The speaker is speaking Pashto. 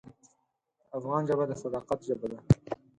د افغان ژبه د صداقت ژبه ده.